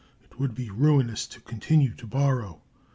It would be ruinous to continue to borrow.